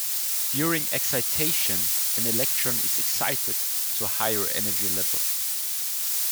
During excitation, an electron is excited to a higher energy level.